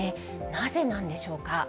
なぜなんでしょうか。